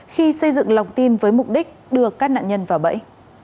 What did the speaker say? khi xây dựng lòng tin với mục đích đưa các nạn nhân vào bẫy